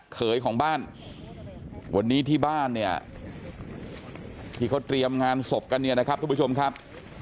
เขยของบ้านวันนี้ที่บ้านเนี่ยที่เขาเตรียมงานศพกันเนี่ยนะครับทุกผู้ชมครับ